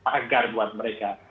agar buat mereka